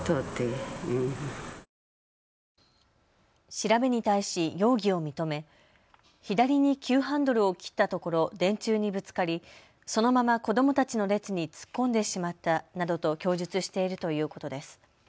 調べに対し容疑を認め左に急ハンドルを切ったところ電柱にぶつかりそのまま子どもたちの列に突っ込んでしまったなどと供述しているということです。